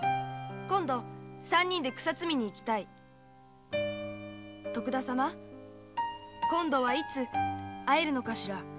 「今度三人で草摘みに行きたい」「徳田様今度はいつ会えるのかしら」